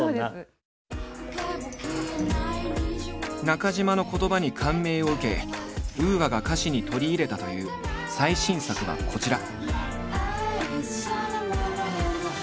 中島の言葉に感銘を受けＵＡが歌詞に取り入れたという最新作はこちら。